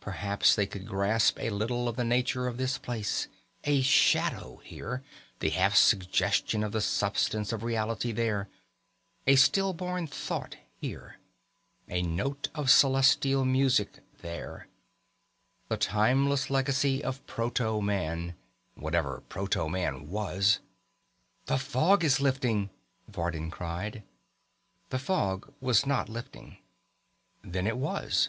Perhaps they could grasp a little of the nature of this place, a shadow here, the half suggestion of the substance of reality there, a stillborn thought here, a note of celestial music there, the timeless legacy of proto man, whatever proto man was.... "The fog is lifting!" Vardin cried. The fog was not lifting. Then it was.